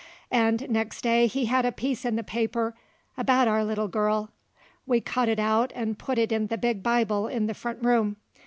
And nex' day he had a piece in the paper about our little girl; we cut it out and put it in the big Bible in the front room.